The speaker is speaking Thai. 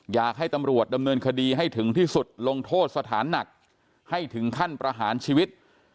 อยากให้ตำรวจดำเนินคดีให้ถึงที่สุดลงโทษสถานหนักให้ถึงขั้นประหารชีวิต